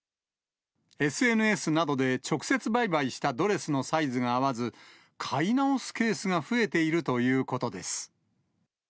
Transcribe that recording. ＳＮＳなどで直接売買したドレスのサイズが合わず、買い直すケースが増えているということです。